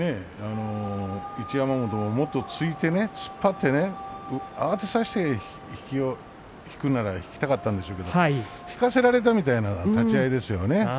一山本も、もっと突いて突っ張ってね慌てさせて引くなら引きたかったんでしょうけど引かされたみたいな立ち合いですよね。